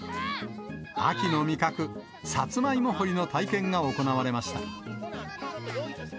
秋の味覚、さつまいも掘りの体験が行われました。